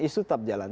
isu tetap jalan